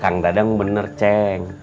kang dadang bener ceng